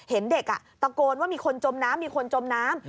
เห็นเด็กตะโกนว่ามีคนจมน้ำมีคนจมน้ำ